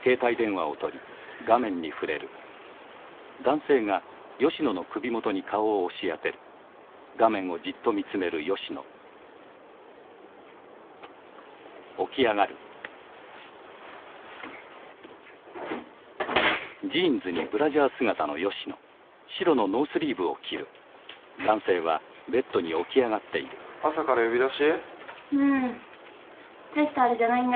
大したあれじゃないんだけど。